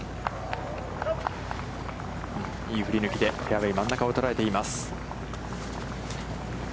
いい振り抜きで、フェアウェイ真ん中を捉えています。